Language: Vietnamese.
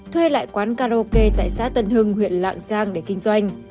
thuê lại quán karaoke tại xã tân hưng huyện lạng giang để kinh doanh